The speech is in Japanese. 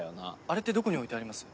あれってどこに置いてあります？